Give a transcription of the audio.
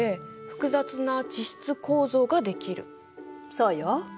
そうよ。